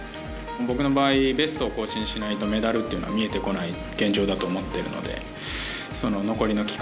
僕の場合、ベストを更新しないとメダルというのは見えてこない現状だと思っているので残りの期間